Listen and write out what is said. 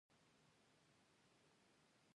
آیا اونټاریو ولایت د موټرو مرکز نه دی؟